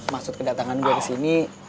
maksud kedatangan gue kesini